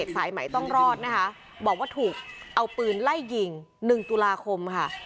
สายไหมต้องรอดนะคะบอกว่าถูกเอาปืนไล่ยิง๑ตุลาคมค่ะ